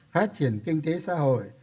phát triển kinh tế xã hội